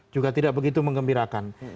juga tidak begitu mengembirakan